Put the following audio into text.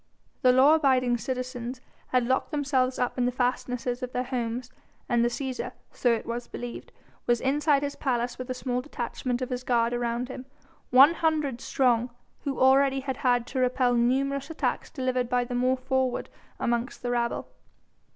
The law abiding citizens had locked themselves up in the fastnesses of their homes, and the Cæsar so it was believed was inside his palace with a small detachment of his guard around him, one hundred strong, who already had had to repel numerous attacks delivered by the more forward amongst the rabble.